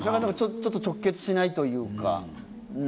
ちょっと直結しないというか。